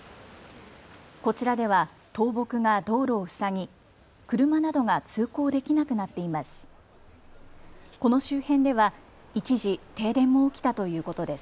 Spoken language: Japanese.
こちらでは倒木が道路を塞ぎ車などが通行できなくなっています。